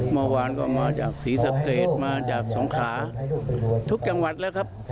เมื่อวานก็มาจากศรีสะเกดมาจากสงขาทุกจังหวัดแล้วครับ